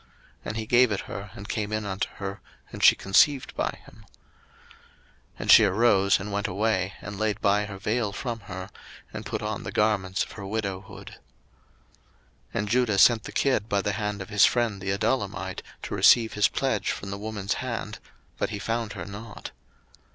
And he gave it her, and came in unto her, and she conceived by him. 01:038:019 And she arose, and went away, and laid by her vail from her, and put on the garments of her widowhood. 01:038:020 And Judah sent the kid by the hand of his friend the Adullamite, to receive his pledge from the woman's hand: but he found her not.